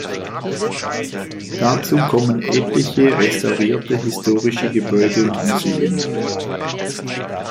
Dazu kommen etliche restaurierte historische Gebäude und Museen.